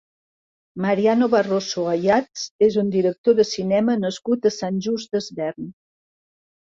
Mariano Barroso Ayats és un director de cinema nascut a Sant Just Desvern.